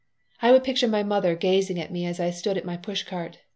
I would picture my mother gazing at me as I stood at my push cart.